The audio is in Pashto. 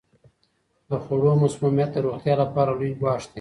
د خوړو مسمومیت د روغتیا لپاره لوی ګواښ دی.